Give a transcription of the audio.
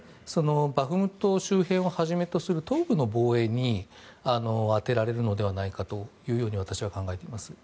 バフムト周辺をはじめとする東部の防衛に充てられるのではないかと私は考えています。